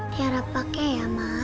tiara pakai ya ma